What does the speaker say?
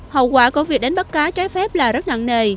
hậu quả của việc đánh bắt cá trái phép là rất nặng nề